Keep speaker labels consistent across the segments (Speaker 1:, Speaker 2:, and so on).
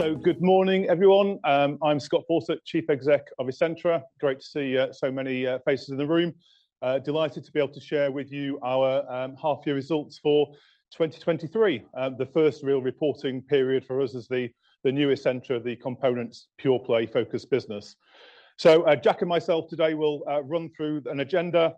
Speaker 1: Good morning, everyone. I'm Scott Fawcett, Chief Exec of Essentra. Great to see so many faces in the room. Delighted to be able to share with you our half-year results for 2023. The first real reporting period for us as the new Essentra, the components pure-play focused business. Jack and myself today will run through an agenda,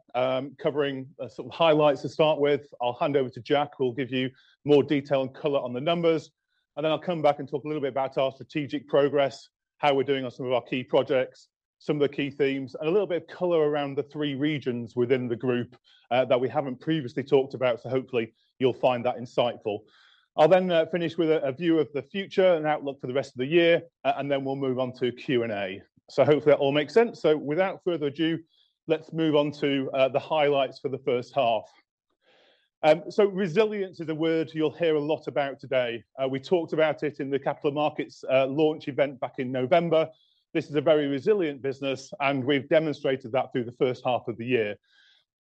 Speaker 1: covering sort of highlights to start with. I'll hand over to Jack, who will give you more detail and color on the numbers, and then I'll come back and talk a little bit about our strategic progress, how we're doing on some of our key projects, some of the key themes, and a little bit of color around the three regions within the group that we haven't previously talked about. Hopefully you'll find that insightful. I'll finish with a view of the future and outlook for the rest of the year, and then we'll move on to Q&A. Hopefully that all makes sense. Without further ado, let's move on to the highlights for the first half. Resilience is a word you'll hear a lot about today. We talked about it in the Capital Markets launch event back in November. This is a very resilient business, and we've demonstrated that through the first half of the year.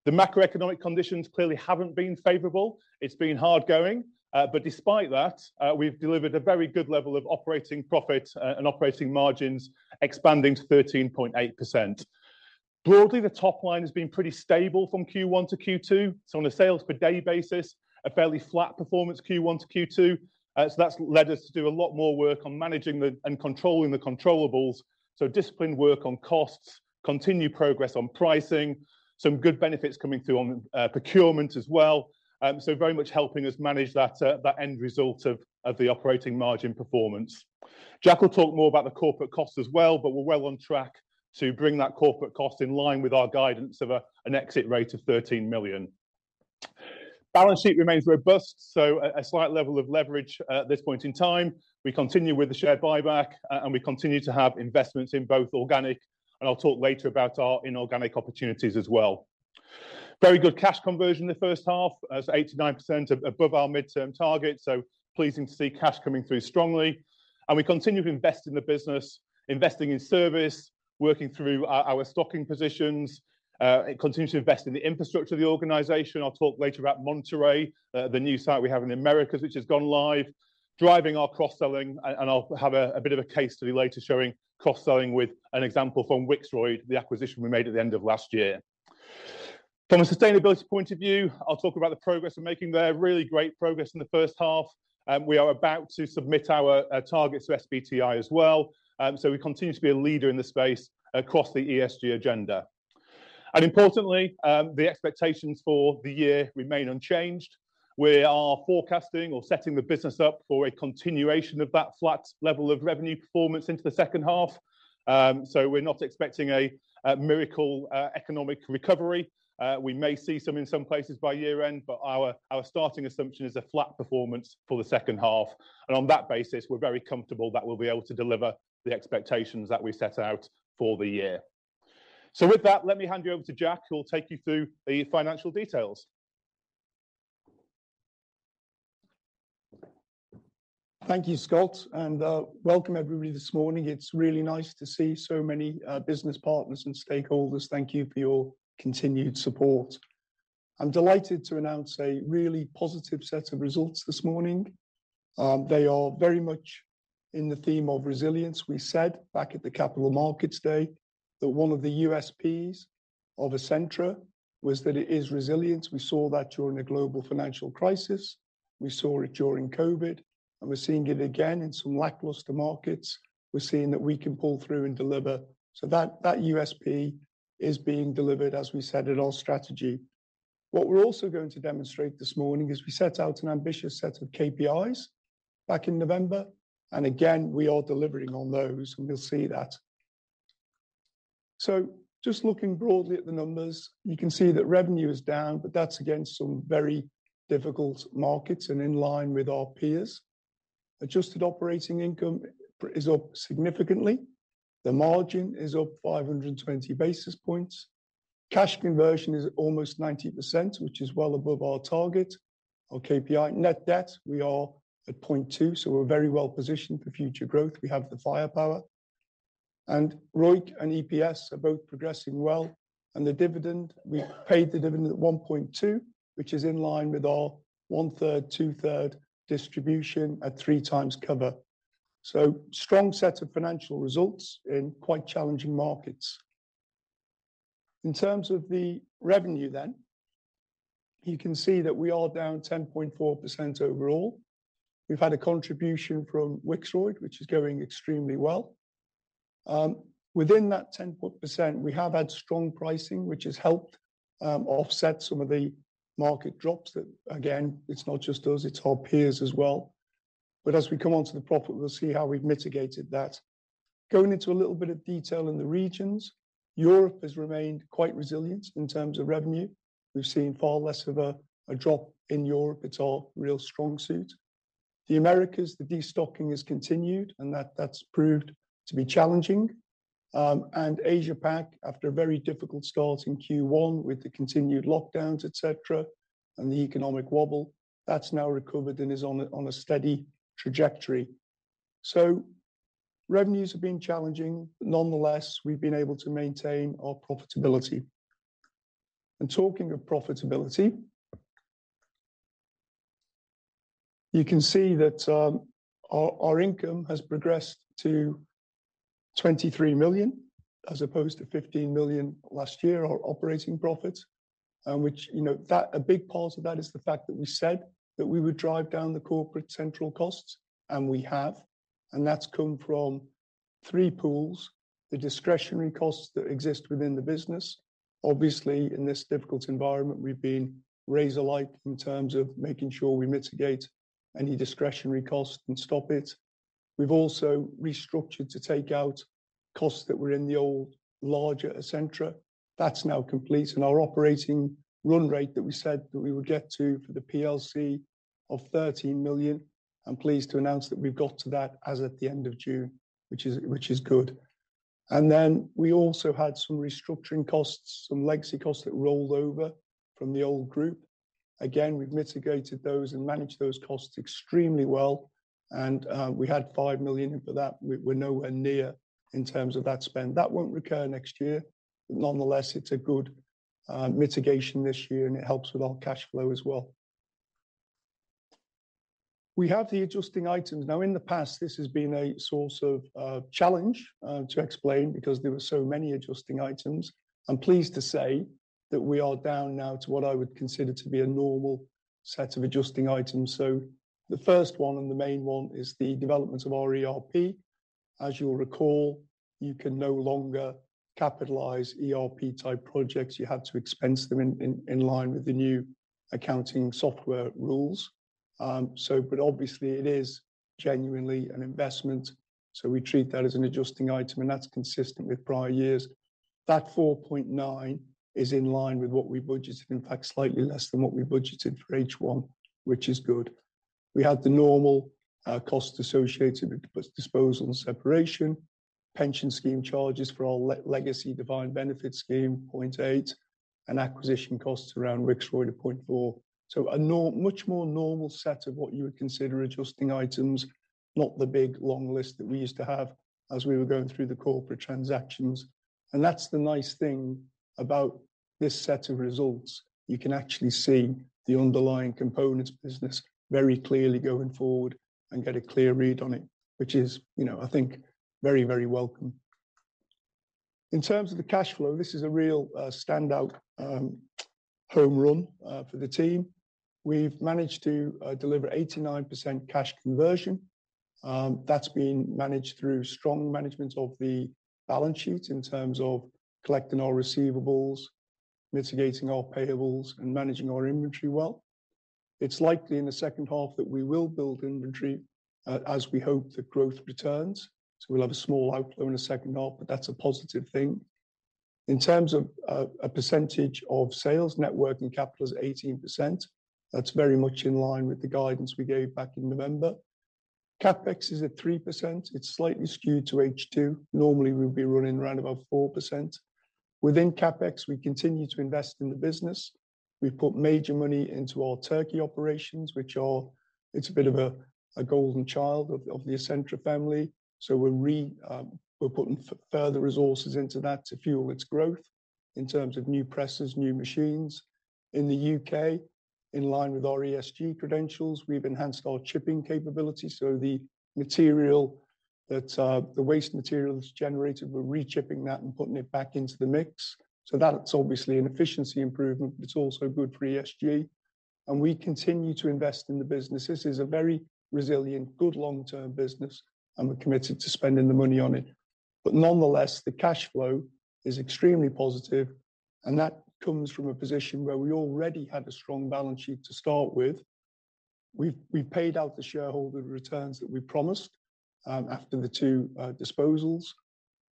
Speaker 1: The macroeconomic conditions clearly haven't been favorable. It's been hard going, but despite that, we've delivered a very good level of operating profit, and operating margins, expanding to 13.8%. Broadly, the top line has been pretty stable from Q1 to Q2. On a sales per day basis, a fairly flat performance, Q1 to Q2. That's led us to do a lot more work on managing the, and controlling the controllables. Disciplined work on costs, continued progress on pricing, some good benefits coming through on procurement as well. Very much helping us manage that, that end result of, of the operating margin performance. Jack will talk more about the corporate costs as well, but we're well on track to bring that corporate cost in line with our guidance of a, an exit rate of 13 million. Balance sheet remains robust, a, a slight level of leverage at this point in time. We continue with the share buyback, and we continue to have investments in both organic, and I'll talk later about our inorganic opportunities as well. Very good cash conversion in the first half, as 89% above our midterm target. Pleasing to see cash coming through strongly. We continue to invest in the business, investing in service, working through our, our stocking positions. Continue to invest in the infrastructure of the organization. I'll talk later about Monterrey, the new site we have in Americas, which has gone live, driving our cross-selling. And I'll have a, a bit of a case study later showing cross-selling with an example from Wixroyd, the acquisition we made at the end of last year. From a sustainability point of view, I'll talk about the progress we're making there. Really great progress in the first half, and we are about to submit our targets to SBTi as well. We continue to be a leader in this space across the ESG agenda. Importantly, the expectations for the year remain unchanged. We are forecasting or setting the business up for a continuation of that flat level of revenue performance into the second half. So we're not expecting a, a miracle, economic recovery. We may see some in some places by year end, but our, our starting assumption is a flat performance for the second half, and on that basis, we're very comfortable that we'll be able to deliver the expectations that we set out for the year. With that, let me hand you over to Jack, who will take you through the financial details.
Speaker 2: Thank you, Scott. Welcome, everybody, this morning. It's really nice to see so many business partners and stakeholders. Thank you for your continued support. I'm delighted to announce a really positive set of results this morning. They are very much in the theme of resilience. We said back at the Capital Markets Day, that one of the USPs of Essentra was that it is resilience. We saw that during the global financial crisis, we saw it during COVID, and we're seeing it again in some lackluster markets. We're seeing that we can pull through and deliver, so that, that USP is being delivered, as we said in our strategy. What we're also going to demonstrate this morning is we set out an ambitious set of KPIs back in November, and again, we are delivering on those, and we'll see that. Just looking broadly at the numbers, you can see that revenue is down, but that's against some very difficult markets and in line with our peers. Adjusted operating income is up significantly. The margin is up 520 basis points. Cash conversion is almost 90%, which is well above our target, our KPI. Net debt, we are at 0.2, we're very well positioned for future growth. We have the firepower. ROIC and EPS are both progressing well. The dividend, we paid the dividend at 1.2, which is in line with our 1/3, 2/3 distribution at three times cover. Strong set of financial results in quite challenging markets. In terms of the revenue then, you can see that we are down 10.4% overall. We've had a contribution from Wixroyd, which is going extremely well. Within that 10%, we have had strong pricing, which has helped offset some of the market drops that, again, it's not just us, it's our peers as well. As we come onto the profit, we'll see how we've mitigated that. Going into a little bit of detail in the regions, Europe has remained quite resilient in terms of revenue. We've seen far less of a drop in Europe. It's our real strong suit. The Americas, the destocking has continued, and that's proved to be challenging. Asia Pac, after a very difficult start in Q1 with the continued lockdowns, et cetera, and the economic wobble, that's now recovered and is on a steady trajectory. Revenues have been challenging. Nonetheless, we've been able to maintain our profitability. Talking of profitability-... You can see that our income has progressed to 23 million, as opposed to 15 million last year, our operating profits. Which, you know, a big part of that is the fact that we said that we would drive down the corporate central costs, and we have. That's come from three pools: the discretionary costs that exist within the business. Obviously, in this difficult environment, we've been razor-like in terms of making sure we mitigate any discretionary cost and stop it. We've also restructured to take out costs that were in the old larger Essentra. That's now complete, and our operating run rate that we said that we would get to for the PLC of 13 million, I'm pleased to announce that we've got to that as at the end of June, which is, which is good. We also had some restructuring costs, some legacy costs that rolled over from the old group. Again, we've mitigated those and managed those costs extremely well, and we had 5 million for that. We're nowhere near in terms of that spend. That won't recur next year, but nonetheless, it's a good mitigation this year, and it helps with our cash flow as well. We have the adjusting items. Now, in the past, this has been a source of challenge to explain because there were so many adjusting items. I'm pleased to say that we are down now to what I would consider to be a normal set of adjusting items. The first one, and the main one, is the development of our ERP. As you'll recall, you can no longer capitalize ERP-type projects. You have to expense them in, in, in line with the new accounting software rules. Obviously it is genuinely an investment, so we treat that as an adjusting item, and that's consistent with prior years. That 4.9 is in line with what we budgeted, in fact, slightly less than what we budgeted for H1, which is good. We had the normal costs associated with dis-disposal and separation, pension scheme charges for our le-legacy defined benefit scheme, 0.8, and acquisition costs around Wixroyd of 0.4. Much more normal set of what you would consider adjusting items, not the big long list that we used to have as we were going through the corporate transactions. That's the nice thing about this set of results. You can actually see the underlying components of the business very clearly going forward and get a clear read on it, which is, you know, very, very welcome. In terms of the cash flow, this is a real standout home run for the team. We've managed to deliver 89% cash conversion. That's been managed through strong management of the balance sheet in terms of collecting our receivables, mitigating our payables, and managing our inventory well. It's likely in the second half that we will build inventory as we hope the growth returns. We'll have a small outflow in the second half, but that's a positive thing. In terms of a percentage of sales, net working capital is 18%. That's very much in line with the guidance we gave back in November. CapEx is at 3%. It's slightly skewed to H2. Normally, we'd be running around about 4%. Within CapEx, we continue to invest in the business. We've put major money into our Turkey operations, which are... It's a bit of a, a golden child of the Essentra family. We're putting further resources into that to fuel its growth in terms of new presses, new machines. In the UK, in line with our ESG credentials, we've enhanced our chipping capability. The material that the waste material that's generated, we're rechipping that and putting it back into the mix. That's obviously an efficiency improvement, but it's also good for ESG. We continue to invest in the business. This is a very resilient, good long-term business, and we're committed to spending the money on it. Nonetheless, the cash flow is extremely positive, and that comes from a position where we already had a strong balance sheet to start with. We've, we've paid out the shareholder returns that we promised after the two disposals,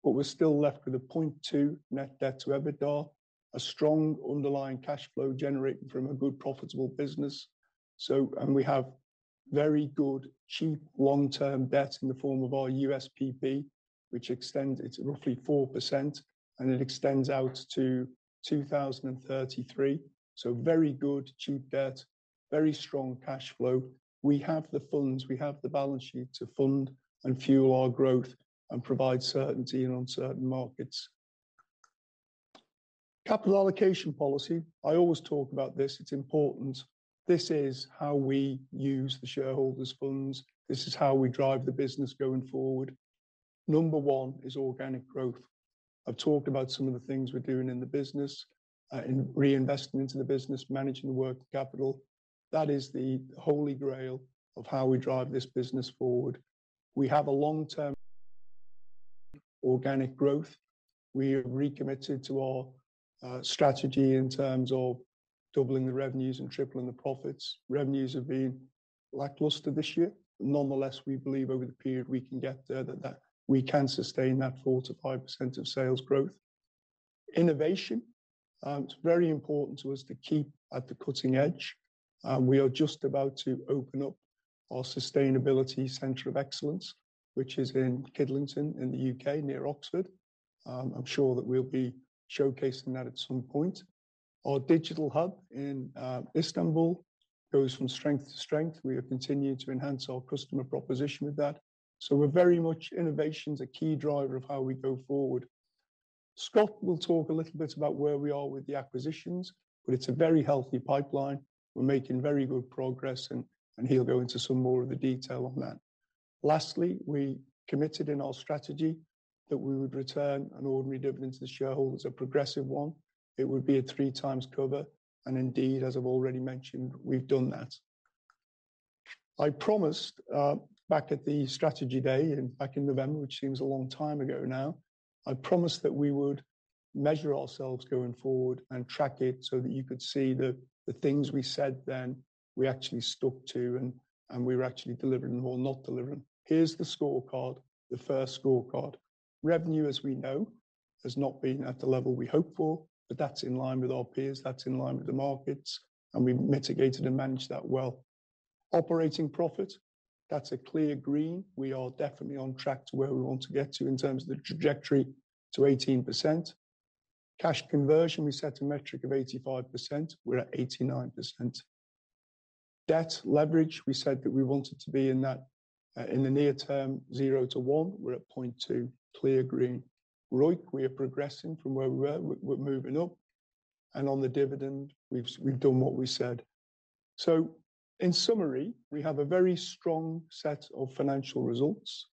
Speaker 2: we're still left with a 0.2 net debt to EBITDA, a strong underlying cash flow generated from a good, profitable business. We have very good, cheap, long-term debt in the form of our USPP, which extends. It's roughly 4%, and it extends out to 2033. Very good, cheap debt, very strong cash flow. We have the funds, we have the balance sheet to fund and fuel our growth and provide certainty in uncertain markets. Capital allocation policy, I always talk about this. It's important. This is how we use the shareholders' funds. This is how we drive the business going forward. Number one is organic growth. I've talked about some of the things we're doing in the business, in reinvestment into the business, managing the net working capital. That is the holy grail of how we drive this business forward. We have a long-term organic growth. We are recommitted to our strategy in terms of doubling the revenues and tripling the profits. Revenues have been lackluster this year. Nonetheless, we believe over the period we can get there, that, that we can sustain that 4%-5% of sales growth. Innovation, it's very important to us to keep at the cutting edge. We are just about to open up our Sustainability Centre of Excellence, which is in Kidlington, in the U.K., near Oxford. I'm sure that we'll be showcasing that at some point. Our digital hub in Istanbul goes from strength to strength. We have continued to enhance our customer proposition with that. We're very much. Innovation's a key driver of how we go forward. Scott will talk a little bit about where we are with the acquisitions. It's a very healthy pipeline. We're making very good progress. He'll go into some more of the detail on that. Lastly, we committed in our strategy that we would return an ordinary dividend to the shareholders, a progressive one. It would be a three times cover. Indeed, as I've already mentioned, we've done that. I promised back at the Capital Markets Day, back in November, which seems a long time ago now, I promised that we would measure ourselves going forward and track it so that you could see the, the things we said then, we actually stuck to, and we're actually delivering or not delivering. Here's the scorecard, the first scorecard. Revenue, as we know, has not been at the level we hoped for, but that's in line with our peers, that's in line with the markets, and we've mitigated and managed that well. Operating profit, that's a clear green. We are definitely on track to where we want to get to in terms of the trajectory to 18%. Cash conversion, we set a metric of 85%. We're at 89%. Debt leverage, we said that we wanted to be in that, in the near term, 0-1. We're at 0.2, clear green. ROIC, we are progressing from where we were. We're, we're moving up. On the dividend, we've done what we said. In summary, we have a very strong set of financial results.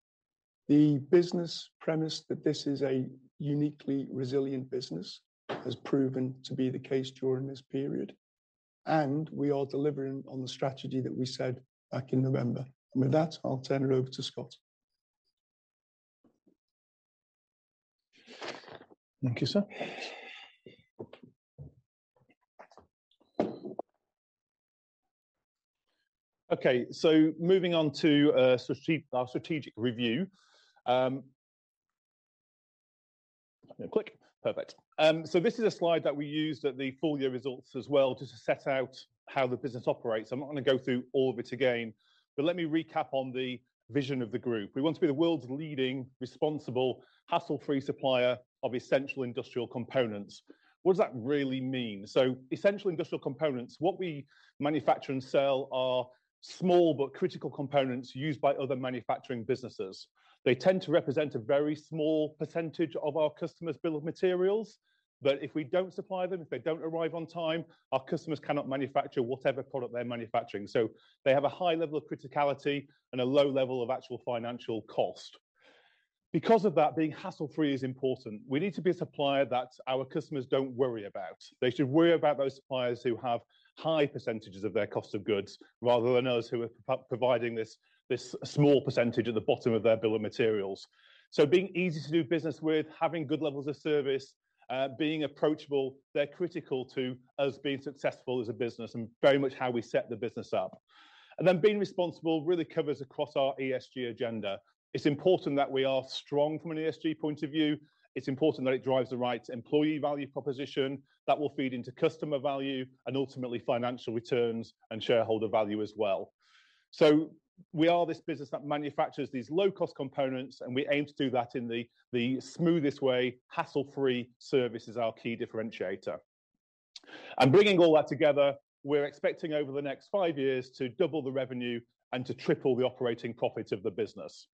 Speaker 2: The business premise that this is a uniquely resilient business has proven to be the case during this period, and we are delivering on the strategy that we said back in November. With that, I'll turn it over to Scott. Thank you, sir.
Speaker 1: Okay, moving on to our strategic review. No, click. Perfect. This is a slide that we used at the full year results as well, just to set out how the business operates. I'm not gonna go through all of it again, but let me recap on the vision of the group. We want to be the world's leading responsible, hassle-free supplier of essential industrial components. What does that really mean? Essential industrial components, what we manufacture and sell are small but critical components used by other manufacturing businesses. They tend to represent a very small percentage of our customers' bill of materials, but if we don't supply them, if they don't arrive on time, our customers cannot manufacture whatever product they're manufacturing. They have a high level of criticality and a low level of actual financial cost. Because of that, being hassle-free is important. We need to be a supplier that our customers don't worry about. They should worry about those suppliers who have high percentages of their cost of goods, rather than us, who are providing this, this small percentage at the bottom of their bill of materials. Being easy to do business with, having good levels of service, being approachable, they're critical to us being successful as a business and very much how we set the business up. Then being responsible really covers across our ESG agenda. It's important that we are strong from an ESG point of view. It's important that it drives the right employee value proposition that will feed into customer value and ultimately financial returns and shareholder value as well. We are this business that manufactures these low-cost components, and we aim to do that in the smoothest way. Hassle-free service is our key differentiator. Bringing all that together, we're expecting over the next five years to double the revenue and to triple the operating profit of the business.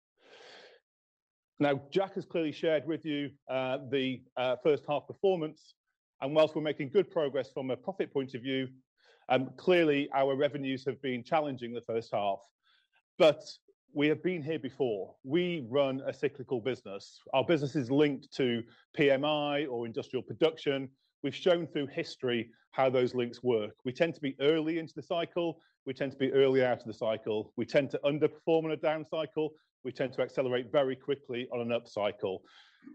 Speaker 1: Jack has clearly shared with you the first half performance, and whilst we're making good progress from a profit point of view, clearly, our revenues have been challenging the first half, but we have been here before. We run a cyclical business. Our business is linked to PMI or industrial production. We've shown through history how those links work. We tend to be early into the cycle. We tend to be early out of the cycle. We tend to underperform on a down cycle. We tend to accelerate very quickly on an up cycle.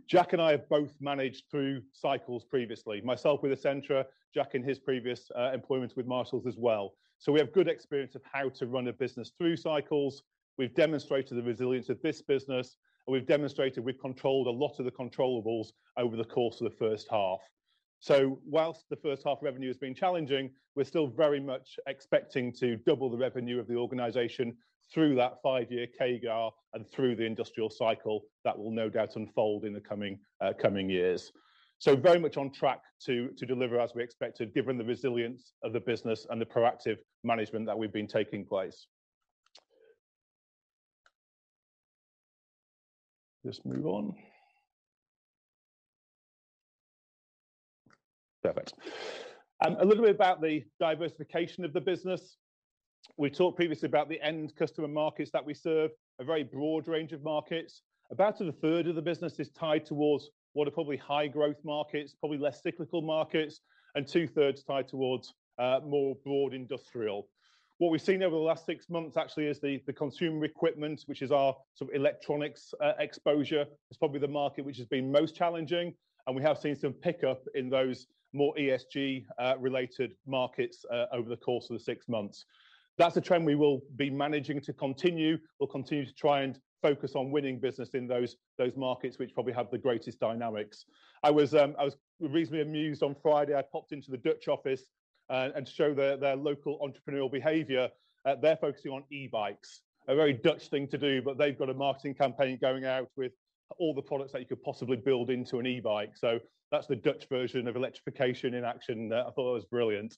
Speaker 1: Jack and I have both managed through cycles previously, myself with Essentra, Jack in his previous employment with Marshalls as well. We have good experience of how to run a business through cycles. We've demonstrated the resilience of this business, and we've demonstrated we've controlled a lot of the controllables over the course of the first half. Whilst the first half revenue has been challenging, we're still very much expecting to double the revenue of the organization through that five-year CAGR and through the industrial cycle that will no doubt unfold in the coming years. Very much on track to deliver as we expected, given the resilience of the business and the proactive management that we've been taking place. Just move on. Perfect. A little bit about the diversification of the business. We talked previously about the end customer markets that we serve, a very broad range of markets. About a third of the business is tied towards what are probably high growth markets, probably less cyclical markets, and two-thirds tied towards more broad industrial. What we've seen over the last six months, actually, is the, the consumer equipment, which is our sort of electronics exposure, is probably the market which has been most challenging, and we have seen some pick up in those more ESG related markets over the course of the six months. That's a trend we will be managing to continue. We'll continue to try and focus on winning business in those, those markets, which probably have the greatest dynamics. I was I was recently amused on Friday. I popped into the Dutch office to show their, their local entrepreneurial behavior, they're focusing on e-bikes. A very Dutch thing to do, they've got a marketing campaign going out with all the products that you could possibly build into an e-bike. That's the Dutch version of electrification in action. I thought it was brilliant.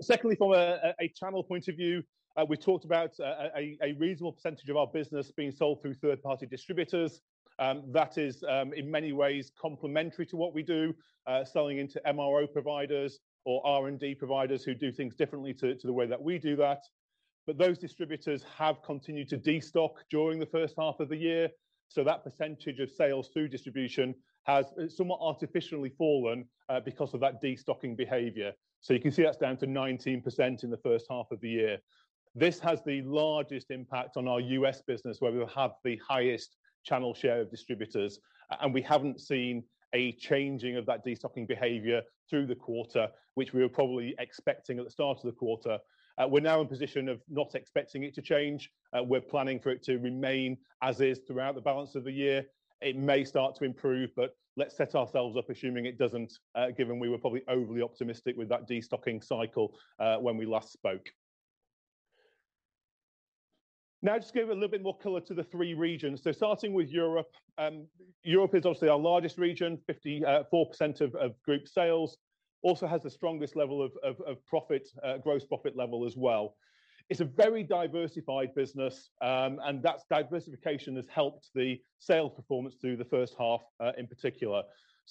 Speaker 1: Secondly, from a channel point of view, we talked about a reasonable % of our business being sold through third-party distributors. That is, in many ways, complementary to what we do, selling into MRO providers or R&D providers who do things differently to the way that we do that. Those distributors have continued to destock during the first half of the year, so that % of sales through distribution has somewhat artificially fallen because of that destocking behavior. You can see that's down to 19% in the first half of the year. This has the largest impact on our U.S. business, where we have the highest channel share of distributors, and we haven't seen a changing of that destocking behavior through the quarter, which we were probably expecting at the start of the quarter. We're now in a position of not expecting it to change. We're planning for it to remain as is throughout the balance of the year. It may start to improve, but let's set ourselves up assuming it doesn't, given we were probably overly optimistic with that destocking cycle, when we last spoke. Just to give a little bit more color to the three regions. Starting with Europe, Europe is obviously our largest region, 54% of group sales. Also has the strongest level of profit, gross profit level as well. It's a very diversified business, and that diversification has helped the sales performance through the first half in particular.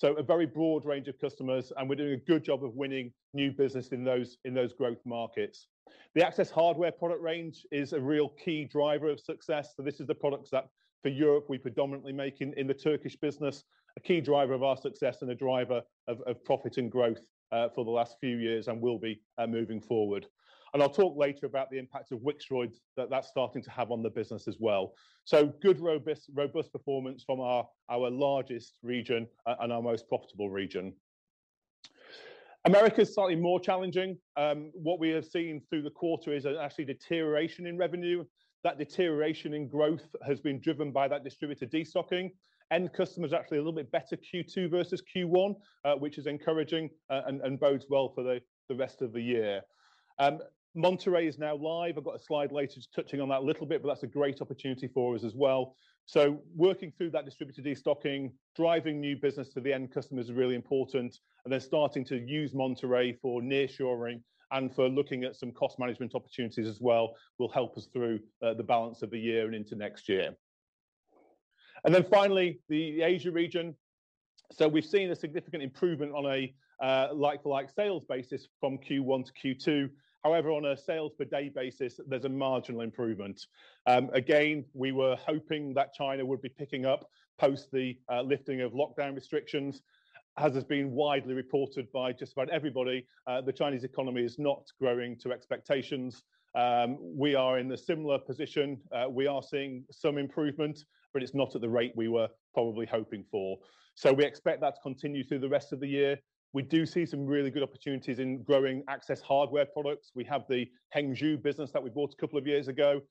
Speaker 1: A very broad range of customers, and we're doing a good job of winning new business in those, in those growth markets. The access hardware product range is a real key driver of success, so this is the products that, for Europe, we predominantly make in the Turkish business. A key driver of our success and a driver of profit and growth for the last few years and will be moving forward. I'll talk later about the impact of Wixroyd, that that's starting to have on the business as well. Good robust performance from our largest region, and our most profitable region. Americas slightly more challenging. What we have seen through the quarter is a actually deterioration in revenue. That deterioration in growth has been driven by that distributor destocking. End customer is actually a little bit better Q2 versus Q1, which is encouraging and bodes well for the rest of the year. Monterrey is now live. I've got a slide later just touching on that a little bit, but that's a great opportunity for us as well. Working through that distributor destocking, driving new business to the end customer is really important, and they're starting to use Monterrey for nearshoring, and for looking at some cost management opportunities as well, will help us through the balance of the year and into next year. Then finally, the Asia region. We've seen a significant improvement on a like-for-like sales basis from Q1 to Q2. However, on a sales per day basis, there's a marginal improvement. Again, we were hoping that China would be picking up post the lifting of lockdown restrictions. As has been widely reported by just about everybody, the Chinese economy is not growing to expectations. We are in a similar position. We are seeing some improvement, but it's not at the rate we were probably hoping for. We expect that to continue through the rest of the year. We do see some really good opportunities in growing access hardware products. We have the Hengzhu business that we bought a couple of years ago.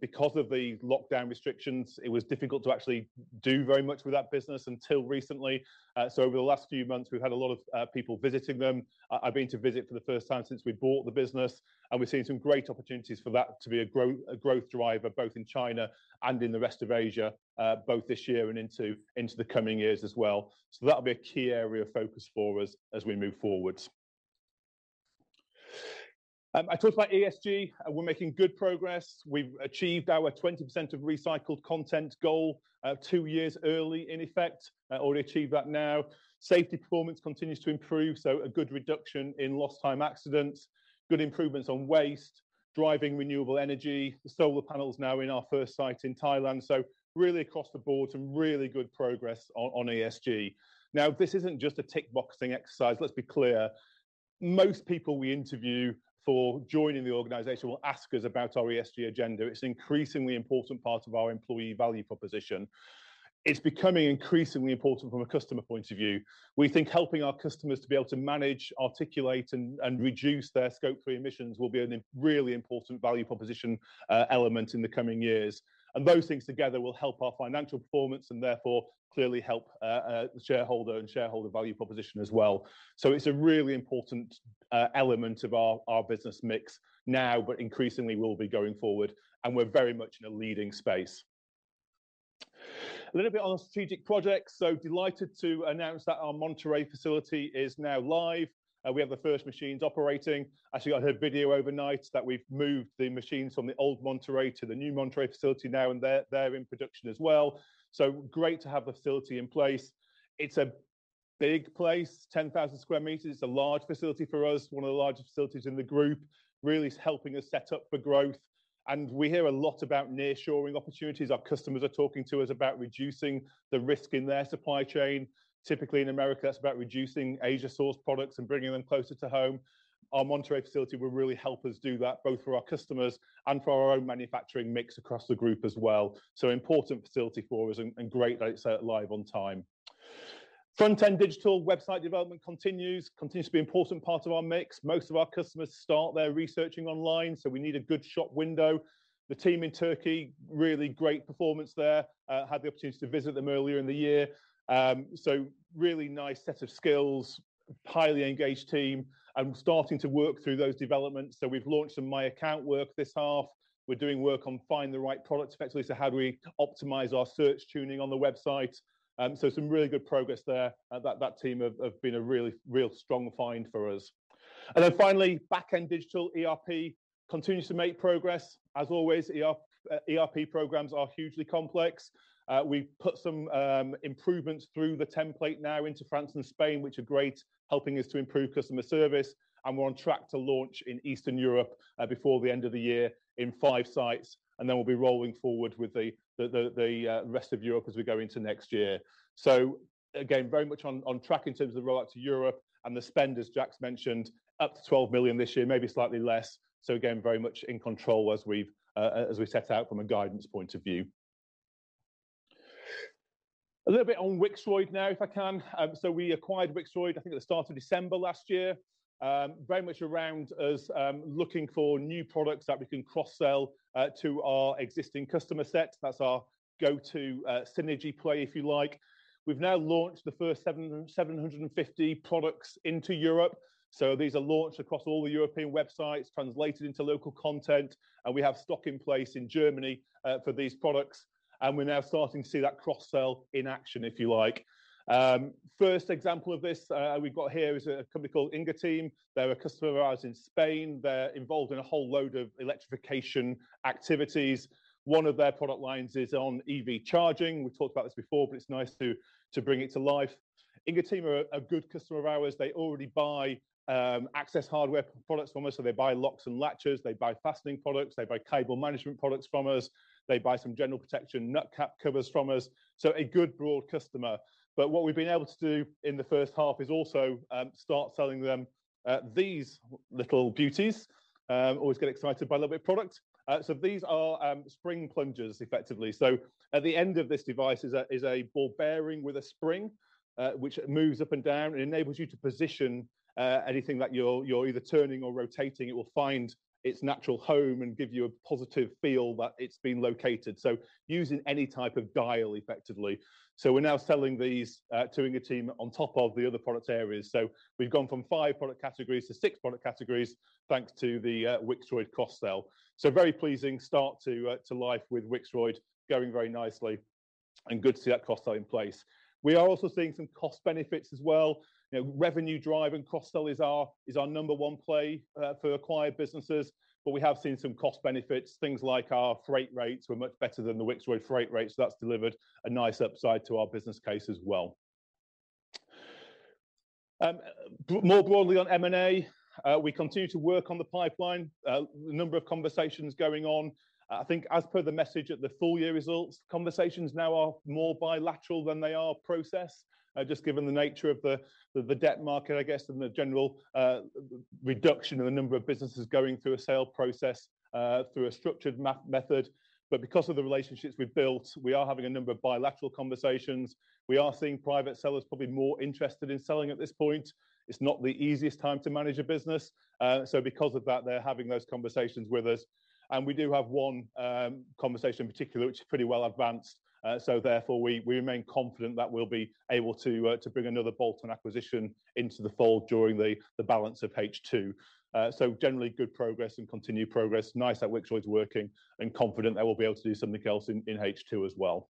Speaker 1: Because of the lockdown restrictions, it was difficult to actually do very much with that business until recently. Over the last few months, we've had a lot of people visiting them. I, I've been to visit for the first time since we bought the business, and we've seen some great opportunities for that to be a growth driver, both in China andin the rest of Asia, both this year and into, into the coming years as well. That'll be a key area of focus for us as we move forward. I talked about ESG, we're making good progress. We've achieved our 20% of recycled content goal, 2 years early, in effect, already achieved that now. Safety performance continues to improve, a good reduction in lost time accidents, good improvements on waste, driving renewable energy. The solar panels now in our first site in Thailand, really across the board, some really good progress on, on ESG. This isn't just a tick boxing exercise. Let's be clear. Most people we interview for joining the organization will ask us about our ESG agenda. It's an increasingly important part of our employee value proposition. It's becoming increasingly important from a customer point of view. We think helping our customers to be able to manage, articulate, and, and reduce their Scope 3 emissions will be a really important value proposition element in the coming years. Those things together will help our financial performance, and therefore, clearly help the shareholder and shareholder value proposition as well. It's a really important element of our, our business mix now, but increasingly will be going forward, and we're very much in a leading space. A little bit on strategic projects. Delighted to announce that our Monterrey facility is now live, and we have the first machines operating. Actually, I heard a video overnight that we've moved the machines from the old Monterrey to the new Monterrey facility now, and they're, they're in production as well. Great to have the facility in place. It's a big place, 10,000 sq m. It's a large facility for us, one of the largest facilities in the group. Really is helping us set up for growth, and we hear a lot about nearshoring opportunities. Our customers are talking to us about reducing the risk in their supply chain. Typically, in America, that's about reducing Asia-sourced products and bringing them closer to home. Our Monterrey facility will really help us do that, both for our customers and for our own manufacturing mix across the group as well. Important facility for us and, and great that it's live on time. Front-end digital website development continues, continues to be an important part of our mix. Most of our customers start their researching online, so we need a good shop window. The team in Turkey, really great performance there. Had the opportunity to visit them earlier in the year. Really nice set of skills, highly engaged team, and starting to work through those developments. We've launched some My Account work this half. We're doing work on find the right products effectively, so how do we optimize our search tuning on the website? Some really good progress there. That, that team have, have been a really, real strong find for us. Then finally, back-end digital ERP continues to make progress. Always, ERP programs are hugely complex. We've put some improvements through the template now into France and Spain, which are great, helping us to improve customer service. We're on track to launch in Eastern Europe before the end of the year in five sites. Then we'll be rolling forward with the rest of Europe as we go into next year. Again, very much on track in terms of the rollout to Europe and the spend, as Jack's mentioned, up to 12 million this year, maybe slightly less. Again, very much in control as we've as we set out from a guidance point of view. A little bit on Wixroyd now, if I can. So we acquired Wixroyd, I think at the start of December last year. Very much around us, looking for new products that we can cross-sell to our existing customer set. That's our go-to synergy play, if you like. We've now launched the first 750 products into Europe. These are launched across all the European websites, translated into local content, and we have stock in place in Germany for these products. We're now starting to see that cross-sell in action, if you like. First example of this, we've got here is a company called Ingeteam. They're a customer of ours in Spain. They're involved in a whole load of electrification activities. One of their product lines is on EV charging. We talked about this before, but it's nice to bring it to life. Ingeteam are a good customer of ours. They already buy access hardware products from us, so they buy locks and latches. They buy fastening products. They buy cable management products from us. They buy some general protection nut cap covers from us, so a good broad customer. What we've been able to do in the first half is also start selling them these little beauties. Always get excited by a little bit of product. These are spring plungers, effectively. At the end of this device is a ball bearing with a spring, which moves up and down and enables you to position anything that you're either turning or rotating. It will find its natural home and give you a positive feel that it's been located, so using any type of dial effectively. We're now selling these to Ingeteam on top of the other product areas. We've gone from five product categories to six product categories, thanks to the Wixroyd cross-sell. Very pleasing start to life with Wixroyd, going very nicely, and good to see that cross-sell in place. We are also seeing some cost benefits as well. You know, revenue drive and cross-sell is our, is our number one play for acquired businesses, but we have seen some cost benefits. Things like our freight rates were much better than the Wixroyd freight rates, so that's delivered a nice upside to our business case as well. More broadly on M&A, we continue to work on the pipeline. A number of conversations going on. I think as per the message at the full year results, conversations now are more bilateral than they are process, just given the nature of the, the, the debt market, I guess, and the general reduction in the number of businesses going through a sale process, through a structured ma- method. Because of the relationships we've built, we are having a number of bilateral conversations. We are seeing private sellers probably more interested in selling at this point. It's not the easiest time to manage a business, so because of that, they're having those conversations with us. We do have one conversation in particular, which is pretty well advanced. Therefore, we, we remain confident that we'll be able to, to bring another bolt-on acquisition into the fold during the, the balance of H2. Generally, good progress and continued progress. Nice that Wixroyd's working and confident that we'll be able to do something else in, in H2 as well.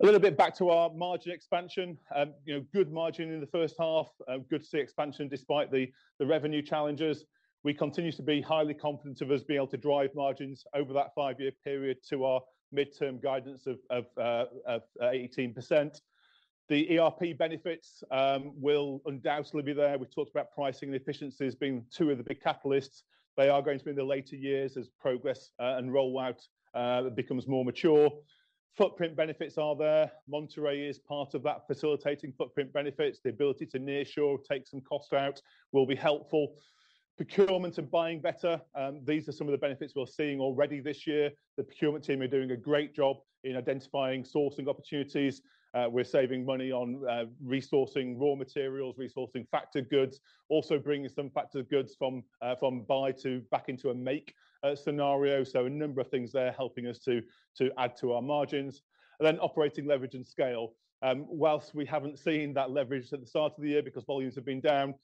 Speaker 1: A little bit back to our margin expansion. You know, good margin in the first half. Good to see expansion despite the, the revenue challenges. We continue to be highly confident of us being able to drive margins over that five-year period to our midterm guidance of 18%. The ERP benefits will undoubtedly be there. We've talked about pricing and efficiencies being two of the big catalysts. They are going to be in the later years as progress and rollout becomes more mature. Footprint benefits are there. Monterrey is part of that facilitating footprint benefits. The ability to nearshore, take some cost out, will be helpful. Procurement and buying better, these are some of the benefits we're seeing already this year. The procurement team are doing a great job in identifying sourcing opportunities. We're saving money on resourcing raw materials, resourcing factored goods, also bringing some factored goods from from buy to back into a make scenario. A number of things there helping us to, to add to our margins. Then operating leverage and scale. Whilst we haven't seen that leverage at the start of the year because volumes have been down,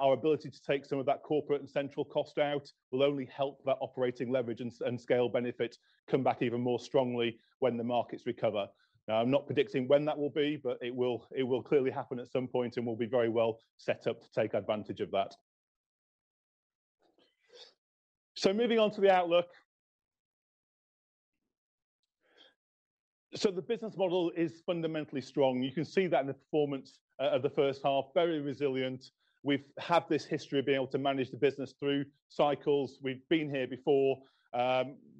Speaker 1: our ability to take some of that corporate and central cost out will only help that operating leverage and scale benefit come back even more strongly when the markets recover. I'm not predicting when that will be, but it will, it will clearly happen at some point, and we'll be very well set up to take advantage of that. Moving on to the outlook. The business model is fundamentally strong. You can see that in the performance of the first half, very resilient. We've had this history of being able to manage the business through cycles. We've been here before.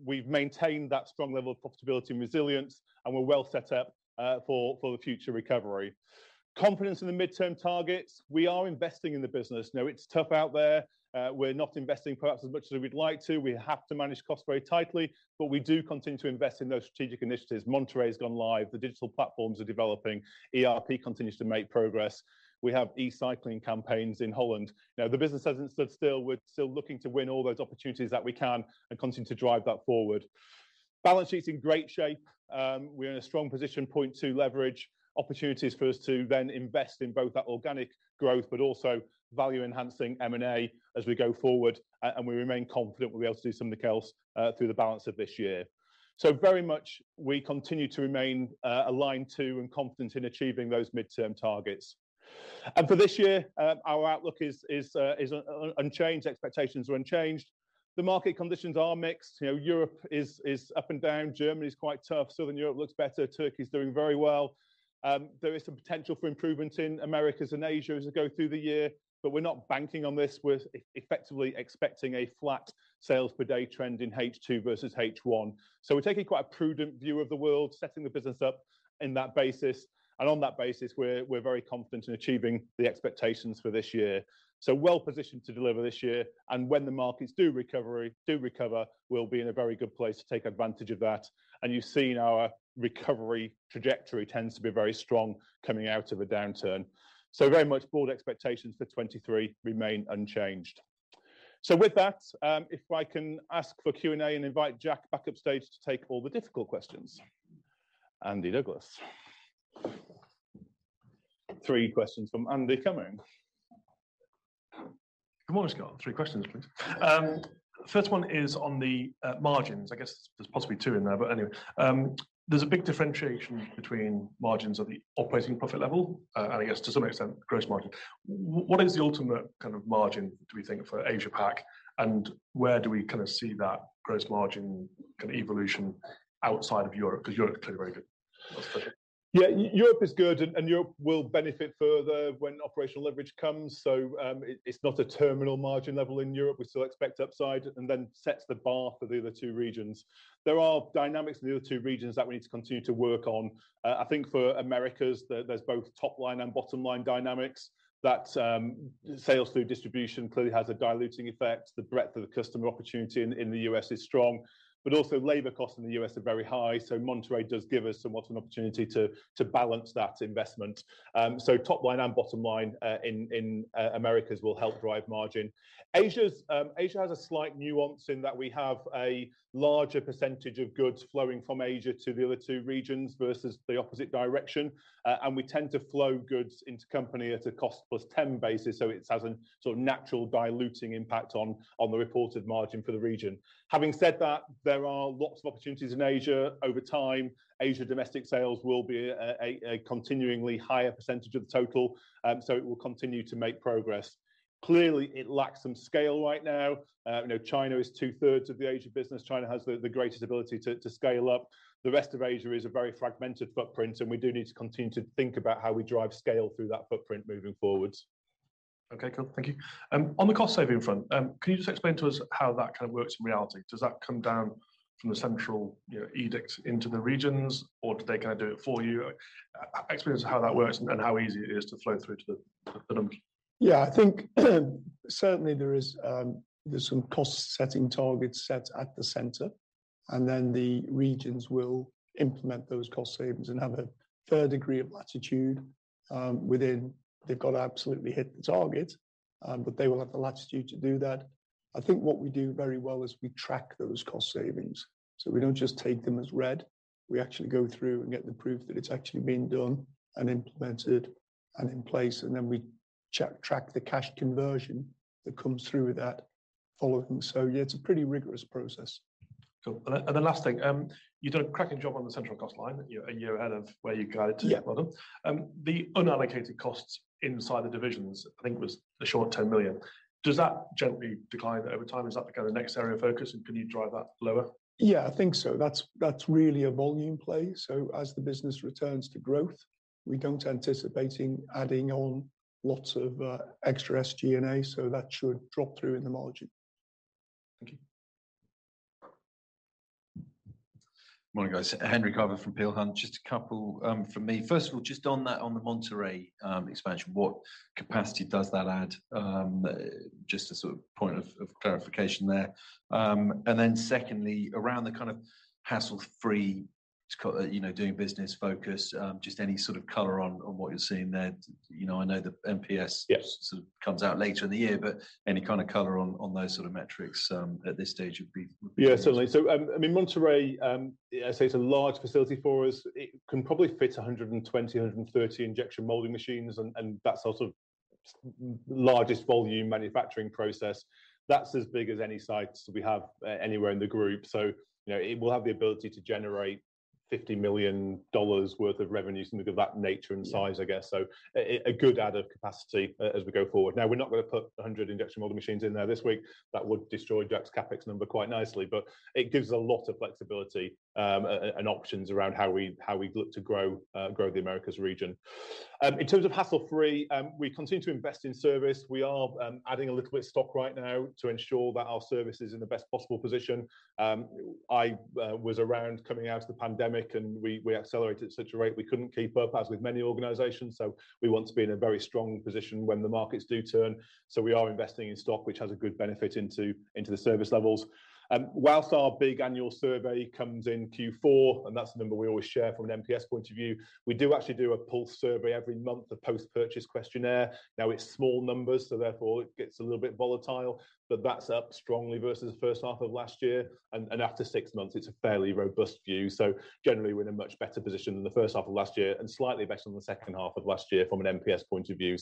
Speaker 1: We've maintained that strong level of profitability and resilience, and we're well set up for, for the future recovery. Confidence in the midterm targets. We are investing in the business. It's tough out there, we're not investing perhaps as much as we'd like to. We have to manage costs very tightly, but we do continue to invest in those strategic initiatives. Monterrey's gone live, the digital platforms are developing, ERP continues to make progress. We have e-cycling campaigns in Holland. You know, the business hasn't stood still. We're still looking to win all those opportunities that we can and continue to drive that forward. Balance sheet's in great shape. We're in a strong position, 0.2 leverage, opportunities for us to then invest in both that organic growth, but also value enhancing M&A as we go forward. We remain confident we'll be able to do something else through the balance of this year. Very much, we continue to remain aligned to and confident in achieving those midterm targets. For this year, our outlook is, is unchanged, expectations are unchanged. The market conditions are mixed. You know, Europe is, is up and down. Germany is quite tough, Southern Europe looks better, Turkey's doing very well. There is some potential for improvement in Americas and Asia as we go through the year, but we're not banking on this. We're effectively expecting a flat sales per day trend in H2 versus H1. We're taking quite a prudent view of the world, setting the business up in that basis. On that basis, we're, we're very confident in achieving the expectations for this year. Well positioned to deliver this year, and when the markets do recover, we'll be in a very good place to take advantage of that. You've seen our recovery trajectory tends to be very strong coming out of a downturn. Very much broad expectations for 2023 remain unchanged. With that, if I can ask for Q&A and invite Jack back upstairs to take all the difficult questions. Andy Douglas. Three questions from Andy coming.
Speaker 3: Good morning, Scott. Three questions, please. First one is on the margins. I guess there's possibly two in there, but anyway. There's a big differentiation between margins at the operating profit level, and I guess to some extent, gross margin. What is the ultimate kind of margin, do we think, for Asia Pac, and where do we kind of see that gross margin kind of evolution outside of Europe? Europe is clearly very good.
Speaker 1: Yeah, Europe is good, and Europe will benefit further when operational leverage comes. It's not a terminal margin level in Europe. We still expect upside, then sets the bar for the other two regions. There are dynamics in the other two regions that we need to continue to work on. I think for Americas, there's both top line and bottom line dynamics. That sales through distribution clearly has a diluting effect. The breadth of the customer opportunity in the US is strong, but also labor costs in the US are very high, so Monterrey does give us somewhat an opportunity to balance that investment. Top line and bottom line in Americas will help drive margin. Asia has a slight nuance in that we have a larger percentage of goods flowing from Asia to the other two regions versus the opposite direction. We tend to flow goods into company at a cost plus 10 basis, so it has a natural diluting impact on the reported margin for the region. Having said that, there are lots of opportunities in Asia. Over time, Asia domestic sales will be a continuing higher percentage of the total. It will continue to make progress. Clearly, it lacks some scale right now. You know, China is 2/3 of the Asia business. China has the greatest ability to scale up. The rest of Asia is a very fragmented footprint, and we do need to continue to think about how we drive scale through that footprint moving forwards.
Speaker 3: Okay, cool. Thank you. On the cost saving front, can you just explain to us how that kind of works in reality? Does that come down from the central, you know, edict into the regions, or do they kind of do it for you? Explain to us how that works and, and how easy it is to flow through to the bottom.
Speaker 2: Yeah, I think, certainly there is, there's some cost setting targets set at the center, then the regions will implement those cost savings and have a fair degree of latitude within. They've got to absolutely hit the target, they will have the latitude to do that. I think what we do very well is we track those cost savings, we don't just take them as read. We actually go through and get the proof that it's actually been done and implemented and in place, then we track the cash conversion that comes through with that following. Yeah, it's a pretty rigorous process.
Speaker 3: Cool. And the last thing, you've done a cracking job on the central cost line, you're a year ahead of where you guided to.
Speaker 2: Yeah.
Speaker 3: Well done. The unallocated costs inside the divisions, I think, was a short 10 million. Does that gently decline over time? Is that the kind of next area of focus, and can you drive that lower?
Speaker 2: Yeah, I think so. That's, that's really a volume play. As the business returns to growth, we don't anticipating adding on lots of extra SG&A, so that should drop through in the margin.
Speaker 3: Thank you.
Speaker 4: Morning, guys. Henry Carver from Peel Hunt. Just a couple from me. First of all, just on that, on the Monterrey expansion, what capacity does that add? Just a sort of point of clarification there. Then secondly, around the kind of hassle-free, you know, doing business focus, just any sort of color on what you're seeing there. You know, I know the MPS-
Speaker 1: Yes...
Speaker 4: sort of comes out later in the year, but any kind of color on, on those sort of metrics, at this stage would be.
Speaker 1: Yeah, certainly. I mean, Monterrey, as I say, it's a large facility for us. It can probably fit 120, 130 injection moulding machines, and, and that's our sort of largest volume manufacturing process. That's as big as any sites we have anywhere in the group. You know, it will have the ability to generate $50 million worth of revenues, something of that nature and size, I guess.
Speaker 5: Yeah.
Speaker 1: A, a, a good add of capacity as we go forward. Now, we're not gonna put 100 injection moulding machines in there this week. That would destroy Jack's CapEx number quite nicely, but it gives a lot of flexibility and options around how we, how we look to grow the Americas region. In terms of hassle-free, we continue to invest in service. We are adding a little bit of stock right now to ensure that our service is in the best possible position. I was around coming out of the pandemic, and we, we accelerated at such a rate we couldn't keep up, as with many organizations, so we want to be in a very strong position when the markets do turn. We are investing in stock, which has a good benefit into, into the service levels. Whilst our big annual survey comes in Q4, and that's the number we always share from an MPS point of view, we do actually do a pulse survey every month, a post-purchase questionnaire. Now, it's small numbers, so therefore it gets a little bit volatile, but that's up strongly versus the first half of last year, and after six months, it's a fairly robust view. Generally, we're in a much better position than the first half of last year, and slightly better than the second half of last year from an MPS point of view.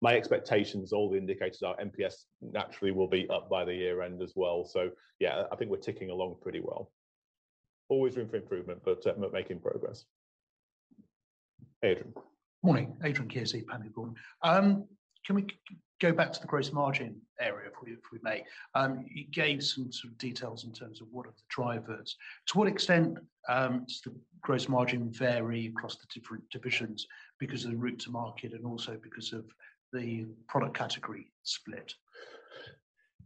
Speaker 1: My expectations, all the indicators are MPS naturally will be up by the year end as well. Yeah, I, I think we're ticking along pretty well. Always room for improvement, but we're making progress. Adrian?
Speaker 6: Morning, Adrian Kearsey, Panmure Gordon. Can we go back to the gross margin area, if we, if we may? You gave some sort of details in terms of what are the drivers. To what extent, does the gross margin vary across the different divisions because of the route to market and also because of the product category split?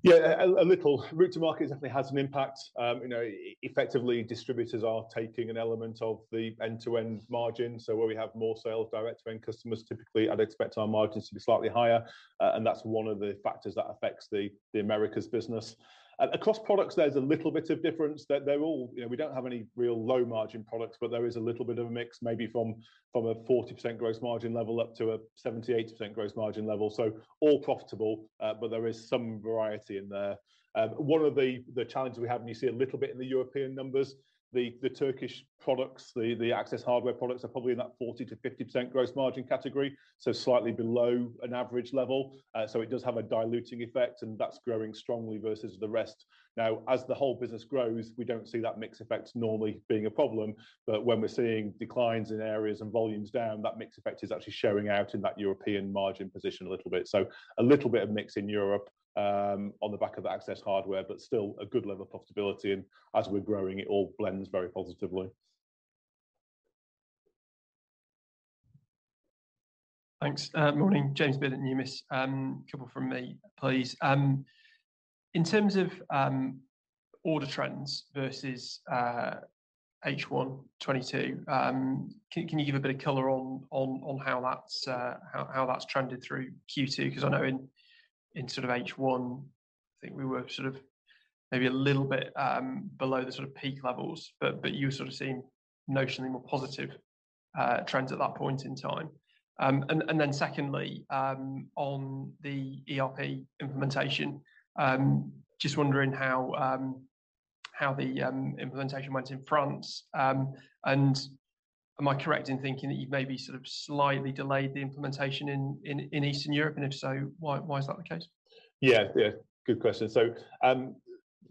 Speaker 1: Yeah, a little. Route to market definitely has an impact. You know, effectively, distributors are taking an element of the end-to-end margin. Where we have more sales, direct to end customers, typically, I'd expect our margins to be slightly higher, and that's one of the factors that affects the Americas business. Across products, there's a little bit of difference. They're all... You know, we don't have any real low-margin products, but there is a little bit of a mix, maybe from, from a 40% gross margin level up to a 70%-80% gross margin level. All profitable, but there is some variety in there. One of the, the challenges we have, and you see a little bit in the European numbers, the, the Turkish products, the, the access hardware products are probably in that 40%-50% gross margin category, so slightly below an average level. It does have a diluting effect, and that's growing strongly versus the rest. Now, as the whole business grows, we don't see that mix effect normally being a problem, but when we're seeing declines in areas and volumes down, that mix effect is actually showing out in that European margin position a little bit. A little bit of mix in Europe, on the back of the access hardware, but still a good level of profitability, and as we're growing, it all blends very positively.
Speaker 7: Thanks. Morning, James Pilling, Numis. A couple from me, please. In terms of order trends versus H1 2022, can you give a bit of color on, on, on how that's how, how that's trended through Q2? I know in, in sort of H1, I think we were sort of maybe a little bit below the sort of peak levels, but, but you were sort of seeing notionally more positive trends at that point in time. Secondly, on the ERP implementation, just wondering how how the implementation went in France. Am I correct in thinking that you've maybe sort of slightly delayed the implementation in, in, in Eastern Europe, and if so, why, why is that the case?
Speaker 1: Yeah, yeah. Good question.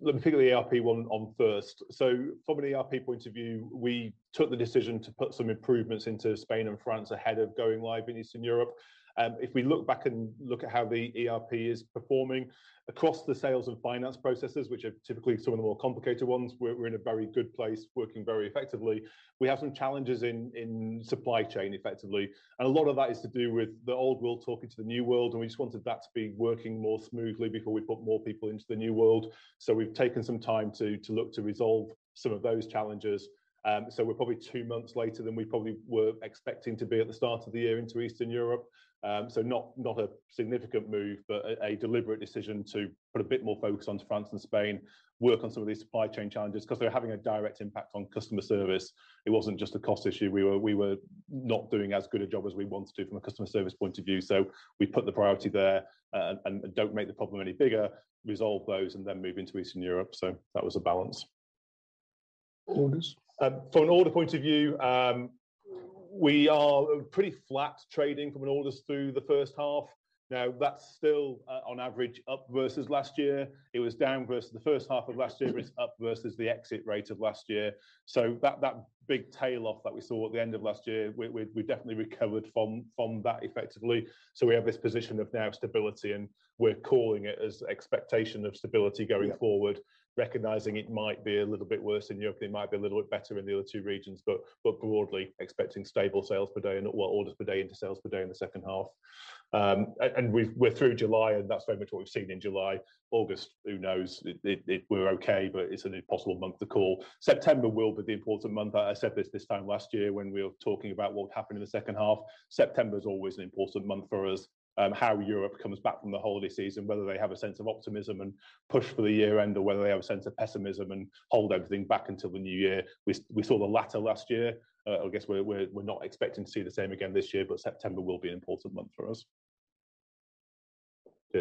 Speaker 1: Let me pick the ERP one on first. From an ERP point of view, we took the decision to put some improvements into Spain and France ahead of going live in Eastern Europe. If we look back and look at how the ERP is performing across the sales and finance processes, which are typically some of the more complicated ones, we're, we're in a very good place, working very effectively. We have some challenges in, in supply chain, effectively, and a lot of that is to do with the old world talking to the new world, and we just wanted that to be working more smoothly before we put more people into the new world. We've taken some time to, to look to resolve some of those challenges. We're probably two months later than we probably were expecting to be at the start of the year into Eastern Europe. Not, not a significant move, but a, a deliberate decision to put a bit more focus onto France and Spain, work on some of these supply chain challenges, because they're having a direct impact on customer service. It wasn't just a cost issue. We were, we were not doing as good a job as we wanted to from a customer service point of view, so we put the priority there, and, and don't make the problem any bigger, resolve those, and then move into Eastern Europe. That was a balance.
Speaker 6: Orders?
Speaker 1: From an order point of view, we are pretty flat trading from an orders through the first half. That's still, on average, up versus last year. It was down versus the first half of last year.
Speaker 6: Mm-hmm.
Speaker 1: It's up versus the exit rate of last year. That big tailoff that we saw at the end of last year, we definitely recovered from that effectively. We have this position of now stability, and we're calling it as expectation of stability going forward.
Speaker 6: Yeah
Speaker 1: recognizing it might be a little bit worse in Europe, it might be a little bit better in the other two regions, broadly, expecting stable sales per day, and well, orders per day into sales per day in the second half. We're through July, that's very much what we've seen in July. August, who knows? It, it, it, we're okay, but it's an impossible month to call. September will be the important month. I, I said this this time last year when we were talking about what happened in the second half. September is always an important month for us. How Europe comes back from the holiday season, whether they have a sense of optimism and push for the year end, or whether they have a sense of pessimism and hold everything back until the new year. We saw the latter last year. I guess we're not expecting to see the same again this year. September will be an important month for us. Yeah.